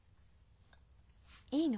いいの？